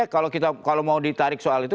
kalau mau ditarik soal itu